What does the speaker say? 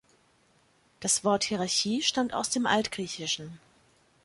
Das Wort Hierarchie stammt aus dem altgr.